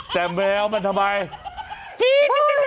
แต่แมวมันทำไม